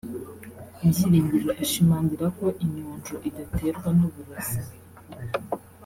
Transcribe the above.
Byiringiro ashimangira ko inyonjo idaterwa n’uburozi